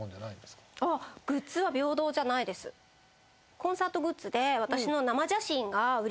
コンサートグッズで私の。